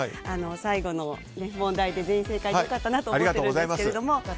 最後の問題で全員正解で良かったなと思ってるんですけども